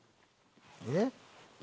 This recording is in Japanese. えっ？